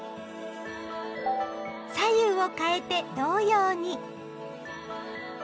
左右をかえて同様に！